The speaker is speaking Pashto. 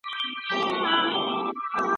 اومه مواد ډیر کم وو.